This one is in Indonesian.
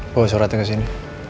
bawa suratnya ke sini